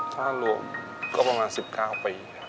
ถ้ารวมก็ประมาณ๑๙ปี